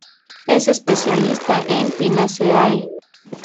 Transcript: Es especialista en Pinaceae.